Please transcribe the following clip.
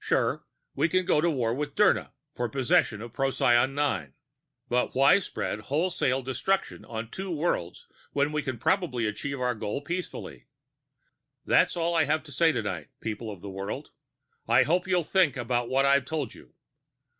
Sure, we can go to war with Dirna for possession of Procyon VIII. But why spread wholesale destruction on two worlds when we can probably achieve our goal peacefully? "That's all I have to say tonight, people of the world. I hope you'll think about what I've told you.